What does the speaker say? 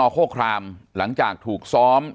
ปากกับภาคภูมิ